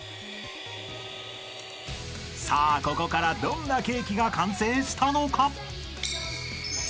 ［さあここからどんなケーキが完成したのか？］